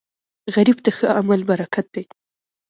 غریب ته ښه عمل برکت دی